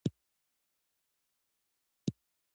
د بامیانو د فولادي وادي کې د بودا زرګونه مجسمې وې